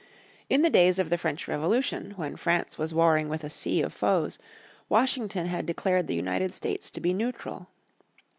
In the days of the French Revolution, when France was warring with a sea of foes, Washington had declared the United States to be neutral.